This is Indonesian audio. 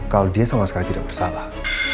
kalau dia sama sekali tidak bersalah